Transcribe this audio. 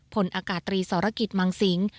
พลอากาศตรีสรกิจมังสิง